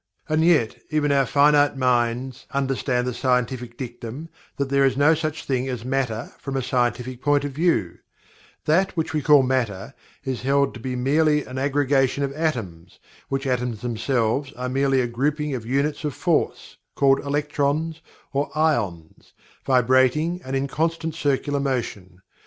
And yet, even our finite minds understand the scientific dictum that there is no such thing as Matter from a scientific point of view that which we call Matter is held to be merely an aggregation of atoms, which atoms themselves are merely a grouping of units of force, called electrons or "ions," vibrating and in constant circular motion.